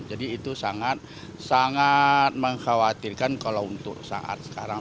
jadi itu sangat sangat mengkhawatirkan kalau untuk saat sekarang